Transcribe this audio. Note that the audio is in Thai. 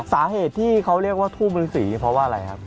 สาเหตุที่เขาเรียกว่าทูบฤษีเพราะว่าอะไรครับ